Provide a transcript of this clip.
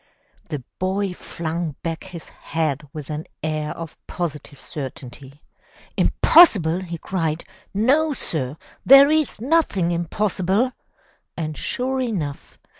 The boy flung back his head with an air of positive certainty. "Impossible!" he cried. "No sir! There is nothing impossible!" And sure enough!